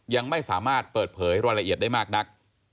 ยังไม่สามารถเปิดเผยรายละเอียดได้มากนัก